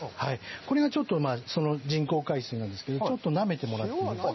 これがちょっとその人工海水なんですけど、ちょっとなめてもらってもいいですか？